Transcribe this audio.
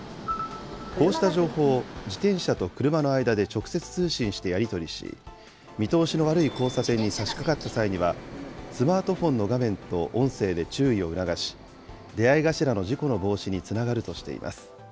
こうした情報を自転車と車の間で直接通信してやり取りし、見通しの悪い交差点にさしかかった際には、スマートフォンの画面と音声で注意を促し、出会い頭の事故の防止につながるとしています。